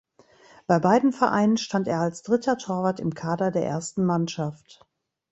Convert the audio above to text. Bei beiden Vereinen stand er als dritter Torwart im Kader der ersten Mannschaft.